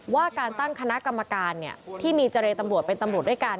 ว่าการตั้งคณะกรรมการที่มีเจรตำรวจเป็นตำรวจด้วยกัน